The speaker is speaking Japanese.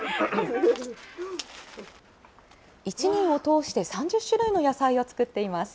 一年を通して３０種類の野菜を作っています。